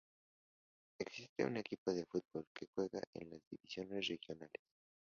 Existe un equipo de fútbol que juega en las divisiones regionales.